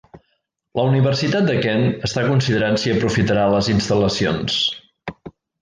La Universitat de Kent està considerant si aprofitarà les instal·lacions.